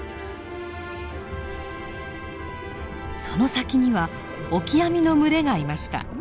その先にはオキアミの群れがいました。